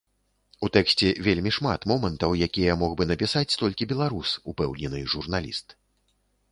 У тэксце вельмі шмат момантаў, якія мог бы напісаць толькі беларус, упэўнены журналіст.